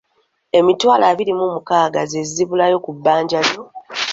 Emitwalo abiri mu mukaaaga n’ekitundu ze zibulayo ku bbanja lyo.